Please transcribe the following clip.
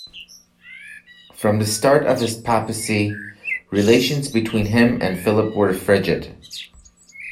From the start of his papacy, relations between him and Philip were frigid.